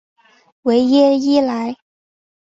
维耶伊莱。